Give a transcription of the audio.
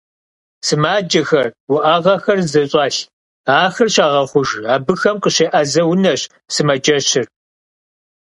Сымаджэхэр, уӀэгъэхэр зыщӀэлъ, ахэр щагъэхъуж, абыхэм къыщеӀэзэ унэщ сымаджэщыр.